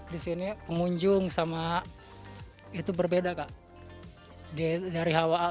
di sini pengunjung sama itu berbeda kak